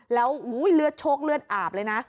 แล้วเลือดโชคเลือดอาบเลยนะ